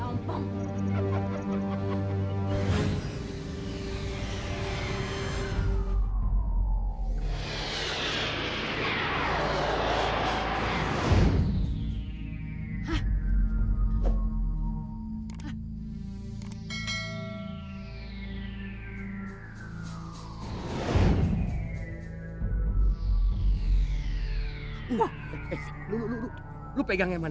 kau juga gampang kawan